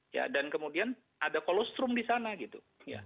ya dan kemudian ada kolostrum di sana gitu